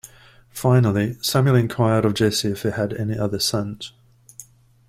Finally, Samuel enquired of Jesse if he had any other sons.